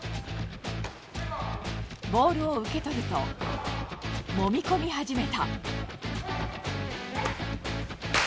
ボールを受け取るともみ込み始めた。